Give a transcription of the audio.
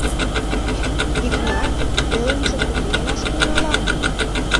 — Йыгнат, телымже кузе илаш тӱҥалам?